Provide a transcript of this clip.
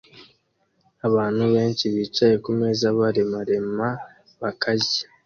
Abantu benshi bicaye kumeza maremare bakarya